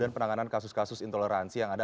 penanganan kasus kasus intoleransi yang ada